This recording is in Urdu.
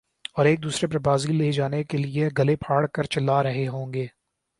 اور ایک دوسرے پر بازی لے جانے کیلئے گلے پھاڑ کر چلا رہے ہوں گے